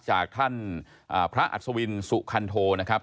จากท่านพระอัศวินสุคันโทนะครับ